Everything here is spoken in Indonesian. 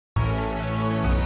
mak saya susu dulu ya mak ya